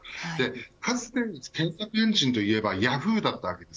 かつての検索エンジンといえばヤフーだったんです。